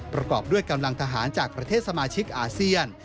ประกอบด้วยกำลังทหารจากประเทศสมาชิกอาเซียน